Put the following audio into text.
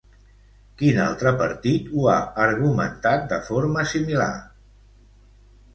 Quin altre partit ho ha argumentat de forma similar?